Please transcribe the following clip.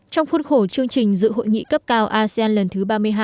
trong khuôn khổ chương trình dự hội nghị cấp cao asean lần thứ ba mươi hai